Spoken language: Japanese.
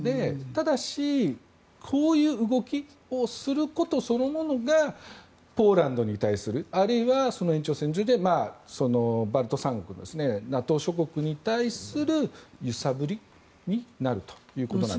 ただし、こういう動きをすることそのものがポーランドに対するあるいは、その延長線上でバルト三国ＮＡＴＯ諸国に対する揺さぶりになるということです。